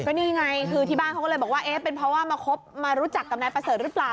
นี่ไงคือที่บ้านเขาก็เลยบอกว่าเอ๊ะเป็นเพราะว่ามาคบมารู้จักกับนายประเสริฐหรือเปล่า